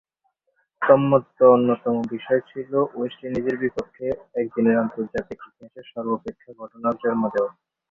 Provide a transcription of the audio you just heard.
তন্মধ্যে অন্যতম বিষয় ছিল ওয়েস্ট ইন্ডিজের বিপক্ষে একদিনের আন্তর্জাতিকের ইতিহাসে সর্বাপেক্ষা ঘটনার জন্ম দেয়া।